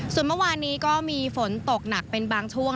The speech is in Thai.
ส่วนเมื่อวานนี้ก็มีฝนตกหนักเป็นบางช่วง